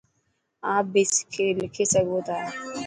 آپ بي لکي سڳو تا.